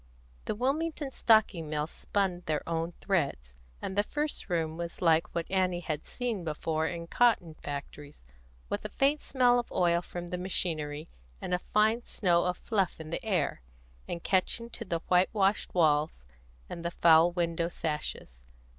The Wilmington Stocking Mills spun their own threads, and the first room was like what Annie had seen before in cotton factories, with a faint smell of oil from the machinery, and a fine snow of fluff in the air, and catching to the white washed walls and the foul window sashes.